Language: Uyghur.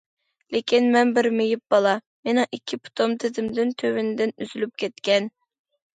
لېكىن مەن بىر مېيىپ بالا، مېنىڭ ئىككى پۇتۇم تىزىمدىن تۆۋىنىدىن ئۈزۈلۈپ كەتكەن.